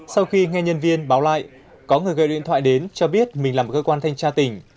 sau khi nghe nhân viên báo lại có người gây điện thoại đến cho biết mình là một cơ quan thanh tra tỉnh